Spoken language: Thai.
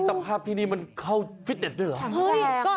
ภาพที่นี่มันเข้าฟิตเน็ตด้วยเหรอ